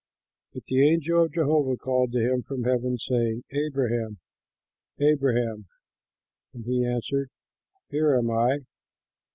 But the angel of Jehovah called to him from heaven, saying, "Abraham, Abraham!" and he answered, "Here am I."